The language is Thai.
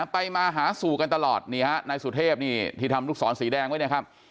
ไปมาหาสู่กันตลอดนี่ฮะนายสุเทพนี่ที่ทำลูกศรสีแดงไว้นะครับ